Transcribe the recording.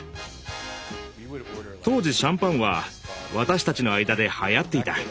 当時シャンパンは私たちの間ではやっていた。